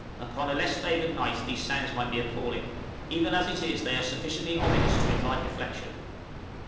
Upon a less favored night these sounds might be appalling; even as it is, they are sufficiently ominous to invite reflection.